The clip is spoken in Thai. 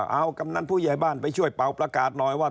เอากำนันผู้ใหญ่บ้านไปช่วยเป่าประกาศหน่อยว่า